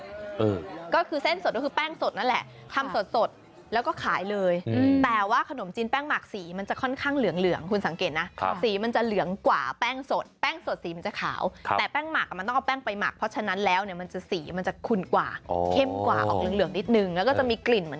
เออก็คือเส้นสดก็คือแป้งสดนั่นแหละทำสดสดแล้วก็ขายเลยแต่ว่าขนมจีนแป้งหมักสีมันจะค่อนข้างเหลืองเหลืองคุณสังเกตนะสีมันจะเหลืองกว่าแป้งสดแป้งสดสีมันจะขาวแต่แป้งหมักอ่ะมันต้องเอาแป้งไปหมักเพราะฉะนั้นแล้วเนี่ยมันจะสีมันจะคุณกว่าอ๋อเข้มกว่าออกเหลืองเหลืองนิดนึงแล้วก็จะมีกลิ่นเหมือน